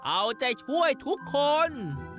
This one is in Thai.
เอาใจช่วยทุกคน